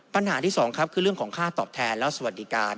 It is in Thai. ปัญหาที่สองครับคือเรื่องของค่าตอบแทนและสวัสดิการ